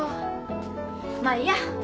まあいいや。